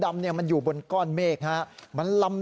แล้วก็เรียกเพื่อนมาอีก๓ลำ